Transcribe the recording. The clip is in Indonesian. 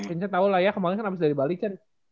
ince tau lah ya kemaren kan abis dari bali kan